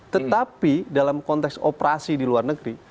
tetapi dalam konteks operasi di luar negeri